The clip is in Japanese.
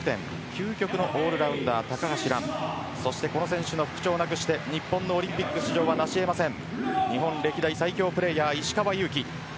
究極のオールラウンダー高橋藍そしてこの選手の復調なくして日本のオリンピック史上はなしえません。